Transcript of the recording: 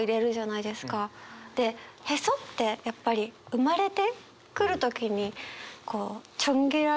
で臍ってやっぱり生まれてくる時にちょん切られる。